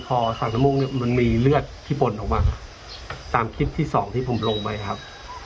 พอใส่น้ำมูกเนี่ยมันมีเลือดที่ปนออกมาตามคลิปที่สองที่ผมลงไปครับ